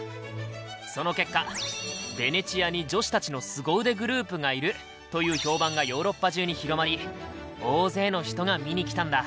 その結果「ベネチアに女子たちのスゴ腕グループがいる」という評判がヨーロッパ中に広まり大勢の人が見に来たんだ。